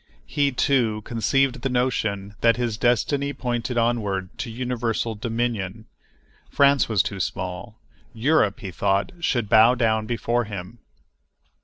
He, too, conceived the notion that his destiny pointed onward to universal dominion. France was too small—Europe, he thought, should bow down before him.